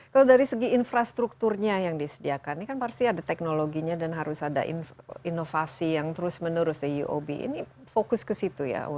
kalau dari segi infrastrukturnya yang disediakan ini kan pasti ada teknologinya dan harus ada inovasi yang terus menerus di uob ini fokus ke situ ya